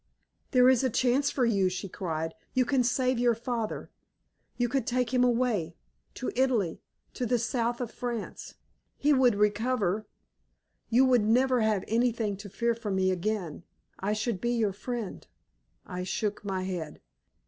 "There is a chance for you," she cried. "You can save your father. You could take him away to Italy, to the south of France. He would recover. You would never have anything to fear from me again. I should be your friend." I shook my head.